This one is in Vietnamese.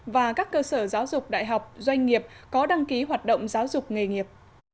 và các cơ sở giáo dục đại học doanh nghiệp có đăng ký hoạt động giáo dục nghề nghiệp